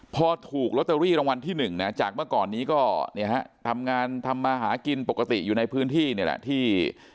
พอถูกลอตเตอรี่รางวัลที่๑นะจากเมื่อก่อนนี้ก็ทำงานทำมาหากินปกติอยู่ในพื้นที่นี่แหละที่